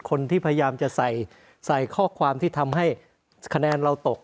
พยายามจะใส่ข้อความที่ทำให้คะแนนเราตก